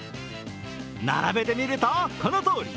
並べてみると、このとおり。